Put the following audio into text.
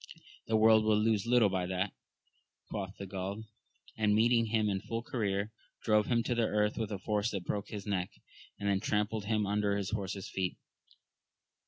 The world will lose little by that, quoth he of Gaul ; and meeting him in full career, drove him to the earth with a force that broke his neck, and then trampled him under his horse's feet.